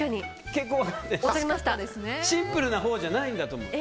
シンプルなほうじゃないんだと思う。